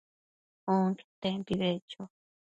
onquetempi beccho